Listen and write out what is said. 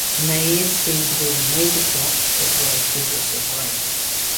Maize seemed to be the major crop but rice was also grown.